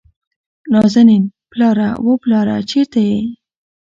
نازنين: پلاره، وه پلاره چېرته يې ؟